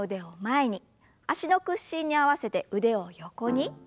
脚の屈伸に合わせて腕を横に。